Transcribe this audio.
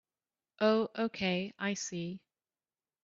Oh okay, I see.